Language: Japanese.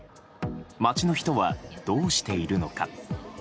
街の人はどうしているのか。